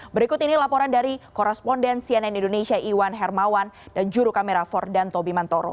berikut ini laporan dari koresponden cnn indonesia iwan hermawan dan juru kamera fordan tobi mantoro